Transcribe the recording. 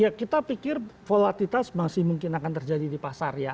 ya kita pikir volatilitas masih mungkin akan terjadi di pasar ya